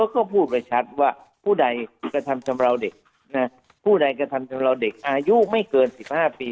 ก็พูดไปชัดว่าผู้ใดกระทำชำราวเด็กผู้ใดกระทำชำราวเด็กอายุไม่เกิน๑๕ปี